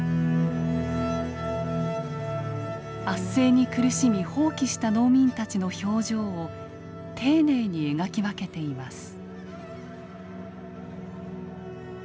圧政に苦しみ蜂起した農民たちの表情を丁寧に描き分けています。